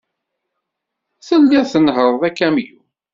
Telliḍ tnehhṛeḍ akamyun.